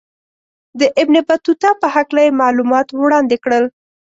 د ابن بطوطه په هکله یې معلومات وړاندې کړل.